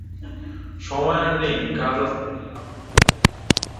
সময় আর নেই, কাজ আছে বলেই লাবণ্য চলে গেল।